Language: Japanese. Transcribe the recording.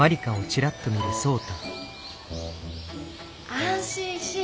安心しぃ。